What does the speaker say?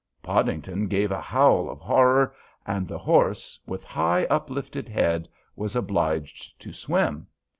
Podington gave a howl of horror, and the horse, with high, uplifted head, was obliged to swim.